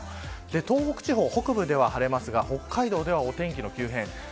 東北地方、北部では晴れますが北海道ではお天気の急変。